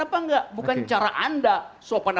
karena itu saya bisa membuktikan